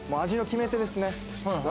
味の決め手ですね。